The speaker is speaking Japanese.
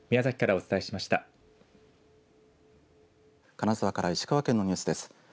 金沢から石川県のニュースです。